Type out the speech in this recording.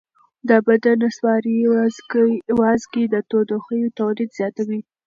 د بدن نسواري وازګې د تودوخې تولید زیاتوي.